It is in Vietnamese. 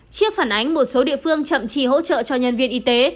trước phản ánh một số địa phương chậm trì hỗ trợ cho nhân viên y tế